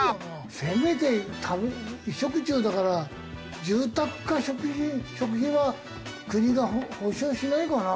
せめて衣食住だから住宅か食費は国が保障しないかな？